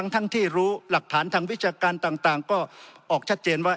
ทั้งที่รู้หลักฐานทางวิชาการต่างก็ออกชัดเจนว่า